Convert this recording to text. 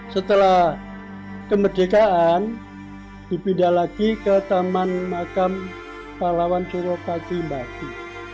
setelah kemerdekaan dipindah lagi ke taman makam pahlawan suropati batu